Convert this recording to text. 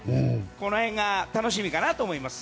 この辺が楽しみかなと思います。